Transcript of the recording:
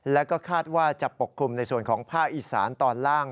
แล้วก็คาดว่าจะปกคลุมในส่วนของภาคอีสานตอนล่าง